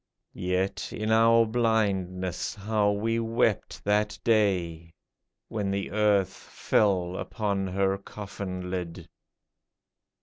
Yet, in our blindness, how we wept that day. When the earth fell upon her coffin lid